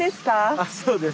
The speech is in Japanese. あっそうです。